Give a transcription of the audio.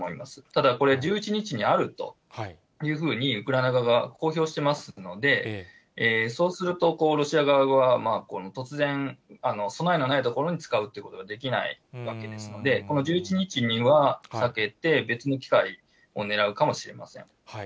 ただ、これ１１日にあるというふうにウクライナ側が公表していますので、そうすると、ロシア側は、突然、備えのない所に使うということができないわけですので、この１１日には、避けて、別の別の機会をねらうかもしれません。